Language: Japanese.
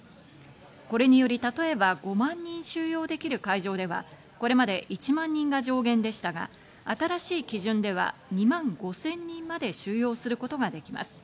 これにより例えば５万人収容できる会場ではこれまで１万人が上限でしたが、新しい基準では２万５０００人まで収容することができます。